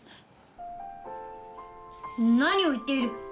何を言っている！